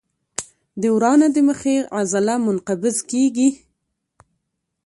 د ورانه د مخې عضله منقبض کېږي.